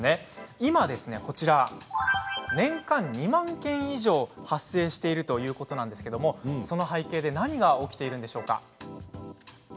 今、年間２万件以上発生しているということなんですけどもその背景で何が起こっているんでしょうか。